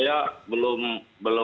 tidak bisa mengatakan itu